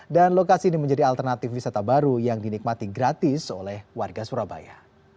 dan lokasi ini menjadi alternatif wisata baru yang dinikmati gratis oleh warga surabaya